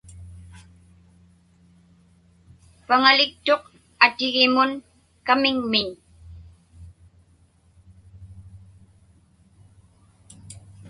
Paŋaliktuq atigimun kamiŋmiñ.